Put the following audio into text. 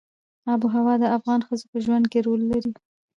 آب وهوا د افغان ښځو په ژوند کې رول لري.